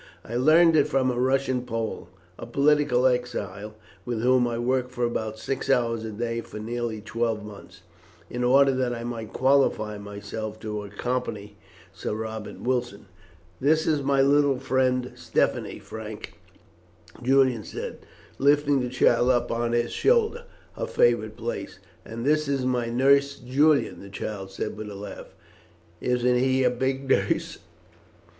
"I learned it from a Russian Pole, a political exile, with whom I worked for about six hours a day for nearly twelve months, in order that I might qualify myself to accompany Sir Robert Wilson." "This is my little friend Stephanie, Frank," Julian said, lifting the child up on his shoulder, her favourite place. "And this is my Nurse Julian," the child said with a laugh. "Isn't he a big nurse?"